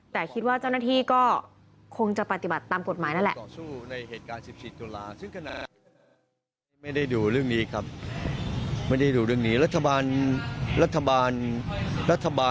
แต่คิดว่าเจ้าหน้าที่ก็คงจะปฏิบัติตามกฎหมายนั่นแหละ